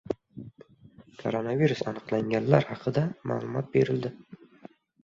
Koronavirus aniqlanganlar haqida ma’lumot berildi